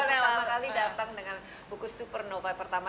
pertama kali datang dengan buku supernova pertama